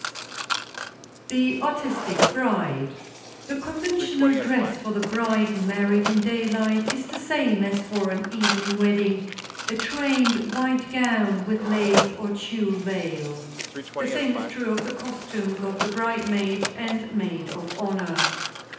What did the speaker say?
[Sidenote: THE ARTISTIC BRIDE] The conventional dress for the bride married in daylight is the same as for an evening wedding, a trained white gown with lace or tulle veil. The same is true of the costumes of the bridesmaids and maid of honor.